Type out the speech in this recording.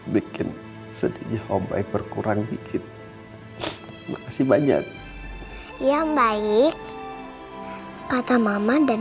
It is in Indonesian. bikin sedihnya om baik berkurang bikin makasih banyak yang baik kata mama dan